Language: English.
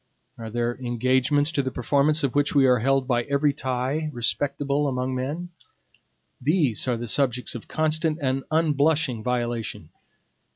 Are there engagements to the performance of which we are held by every tie respectable among men? These are the subjects of constant and unblushing violation.